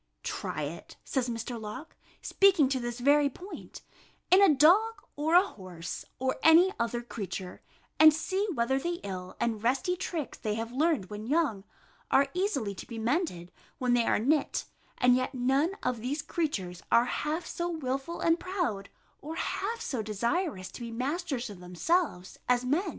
"Try it," says Mr. Locke, speaking to this very point, "in a dog, or a horse, or any other creature, and see whether the ill and resty tricks they have learned when young, are easily to be mended, when they are knit; and yet none of these creatures are half so wilful and proud, or half so desirous to be masters of themselves, as men."